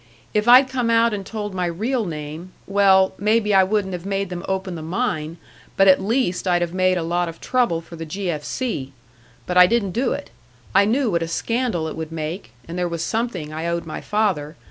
If I'd come out and told my real name well, maybe I wouldn't have made them open the mine, but at least I'd have made a lot of trouble for the G. F. C.! But I didn't do it; I knew what a scandal it would make, and there was something I owed my father.